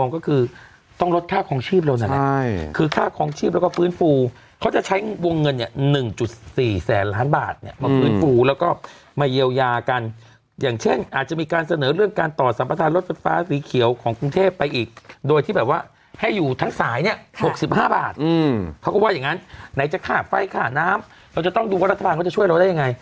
คือค่าความชีพแล้วก็ฟื้นฟูเขาจะใช้วงเงิน๑๔แสนล้านบาทมาฟื้นฟูแล้วก็มาเยียวยากันอย่างเช่นอาจจะมีการเสนอเรื่องการต่อสัมปัติธารถฟ้าฟ้าสีเขียวของกรุงเทพไปอีกโดยที่แบบว่าให้อยู่ทั้งสายเนี่ย๖๕บาทเขาก็ว่าอย่างงั้นไหนจะฆ่าไฟฆ่าน้ำเราจะต้องดูวัฒนธรรมก็จะช่วยเราได้ยัง